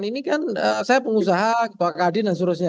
ini kan saya pengusaha pak kadin dan seterusnya